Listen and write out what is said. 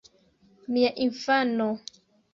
Mia infano!